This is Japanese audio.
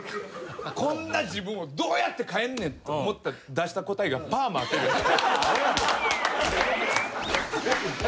こんな自分をどうやって変えんねんと思って出した答えがパーマあてる。